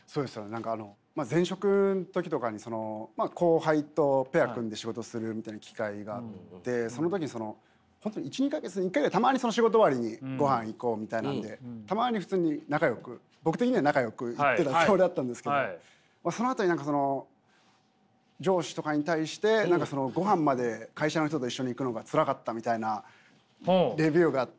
何かあの前職の時とかに後輩とペア組んで仕事するみたいな機会があってその時にその本当に１２か月に１回ぐらいたまにその仕事終わりにごはん行こうみたいなんでたまに普通に仲よく僕的には仲よく行ってたつもりだったんですけどそのあとに何かその上司とかに対して何か「ごはんまで会社の人と一緒に行くのがツラかった」みたいなレビューがあって。